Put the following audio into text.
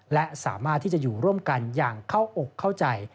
และสามารถที่จะอยู่ร่วมกันอย่างเข้าอกเข้าใจ